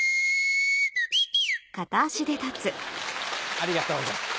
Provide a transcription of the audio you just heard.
ありがとうございます。